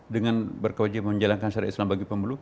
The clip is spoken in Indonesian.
yang berkawal menjalankan syariat islam bagi pemeluk